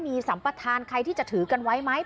มีสัมปทานใครที่จะถือกันไว้ไหม